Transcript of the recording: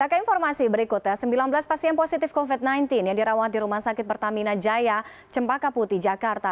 ke informasi berikutnya sembilan belas pasien positif covid sembilan belas yang dirawat di rumah sakit pertamina jaya cempaka putih jakarta